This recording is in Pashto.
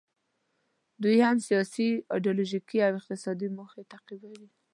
دوی هم سیاسي، ایډیالوژیکي او اقتصادي موخې تعقیبوي.